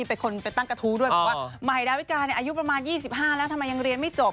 หรือจะตั้งกระทู้ด้วยเพราะว่าหมาฮิตราวิกาเนี่ยอายุประมาณ๒๕แล้วทำไมยังเรียนไม่จบ